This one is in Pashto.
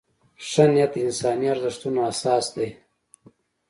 ښه نیت د انساني ارزښتونو اساس دی.